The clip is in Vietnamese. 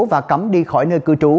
và cấm đi khỏi nơi cư trú